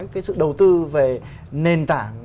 cái sự đầu tư về nền tảng